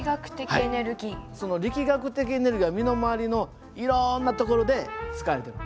その力学的エネルギーは身の回りのいろんなところで使われてる。